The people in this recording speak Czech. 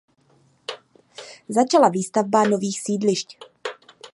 Začala výstavba nových sídlišť.